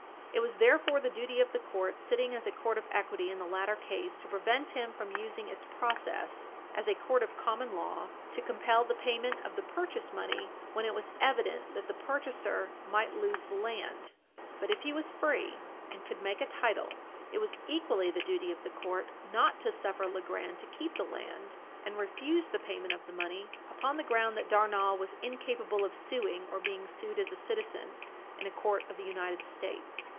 It was therefore the duty of the court, sitting as a court of equity in the latter case, to prevent him from using its process as a court of common law to compel the payment of the purchase money when it was evident that the purchaser must lose the land. But if he was free, and could make a title, it was equally the duty of the court not to suffer Legrand to keep the land and refuse the payment of the money upon the ground that Darnall was incapable of suing or being sued as a citizen in a court of the United States.